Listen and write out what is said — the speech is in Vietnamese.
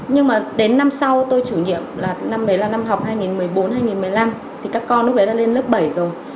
nhưng mà đến năm sau tôi chủ nhiệm là năm đấy là năm học hai nghìn một mươi bốn hai nghìn một mươi năm thì các con lúc đấy là lên lớp bảy rồi